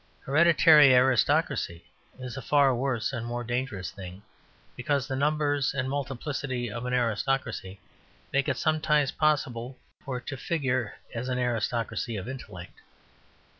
Hereditary aristocracy is a far worse and more dangerous thing, because the numbers and multiplicity of an aristocracy make it sometimes possible for it to figure as an aristocracy of intellect.